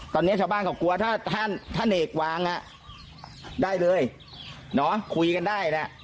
ตอนนี้ชาวบ้านเขากลัวถ้าเนกวางได้เลยคุยกันได้แหละ